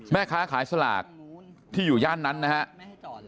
แม่ค้าขายสลากที่อยู่ย่านนั้นนะครับ